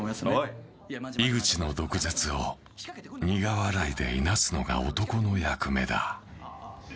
井口の毒舌を苦笑いでいなすのが男の役目だ。